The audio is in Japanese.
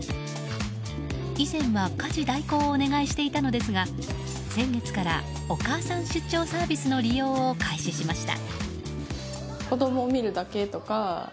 以前は家事代行をお願いしていたのですが先月からお母さん出張サービスの利用を開始しました。